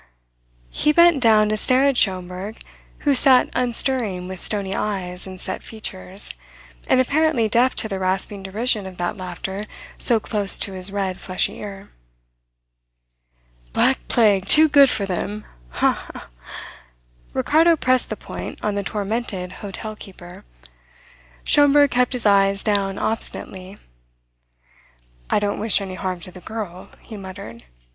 He bent down to stare at Schomberg who sat unstirring with stony eyes and set features, and apparently deaf to the rasping derision of that laughter so close to his red fleshy ear. "Black plague too good for them, ha, ha!" Ricardo pressed the point on the tormented hotel keeper. Schomberg kept his eyes down obstinately. "I don't wish any harm to the girl " he muttered.